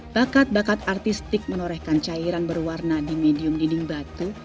bakat bakat artistik menorehkan cairan berwarna di medium dinding batu